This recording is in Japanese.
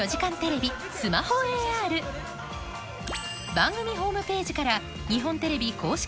番組ホームページから日本テレビ公式